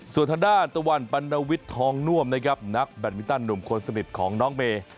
ส่วนทางด้านตะวันปัณวิทย์ทองน่วมนะครับนักแบตมินตันหนุ่มคนสนิทของน้องเมย์